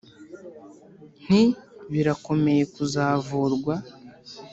Nti : Birakomeye kuzavurwa